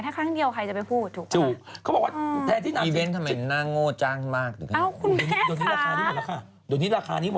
ถ้าครั้งเดียวใครจะไปพูดถูกมั้ย